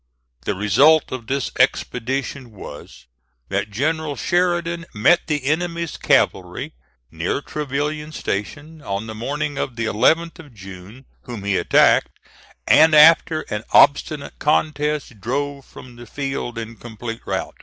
The result of this expedition was, that General Sheridan met the enemy's cavalry near Trevilian Station, on the morning of the 11th of June, whom he attacked, and after an obstinate contest drove from the field in complete rout.